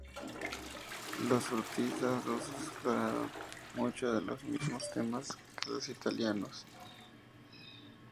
Los futuristas rusos exploraron muchos de los mismos temas que los italianos.